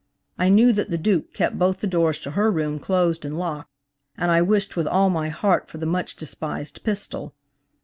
I knew that the Duke kept both the doors to her room closed and locked, and I wished with all my heart for the much despised pistol.